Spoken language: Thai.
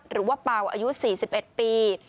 หรือว่าเป่าอายุ๔๑ปี